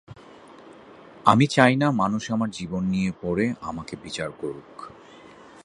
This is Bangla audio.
আমি চাই না মানুষ আমার জীবন নিয়ে পড়ে আমাকে বিচার করুক।